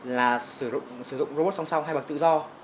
là sử dụng robot song song hai bậc tự do